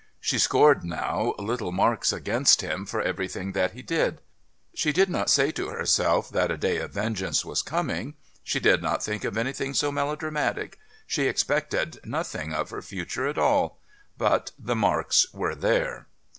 She scored now little marks against him for everything that he did. She did not say to herself that a day of vengeance was coming, she did not think of anything so melodramatic, she expected nothing of her future at all but the marks were there.